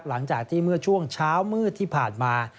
หลังจากที่เมื่อช่วงเช้ามืดที่ผ่านมา